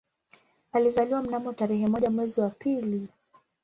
Alizaliwa mnamo tarehe moja mwezi wa pili